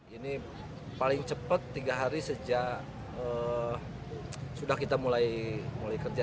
ini paling cepat tiga hari sejak sudah kita mulai kerja